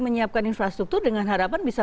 menyiapkan infrastruktur dengan harapan bisa